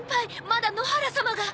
まだ野原様が。